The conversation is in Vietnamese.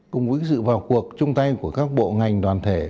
cùng với sự vào cuộc chung tay của các bộ ngành đoàn thể